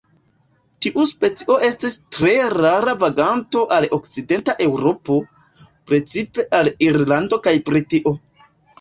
Tiu specio estas tre rara vaganto al okcidenta Eŭropo, precipe al Irlando kaj Britio.